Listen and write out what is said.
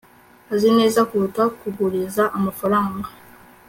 azi neza kuruta kuguriza amafaranga